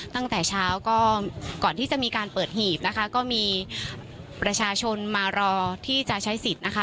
ตั้งแต่เช้าก็ก่อนที่จะมีการเปิดหีบนะคะก็มีประชาชนมารอที่จะใช้สิทธิ์นะคะ